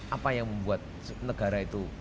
apa yang membuat negara itu